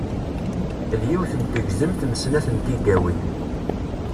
D yiwet n tegzemt m snat n tigawin.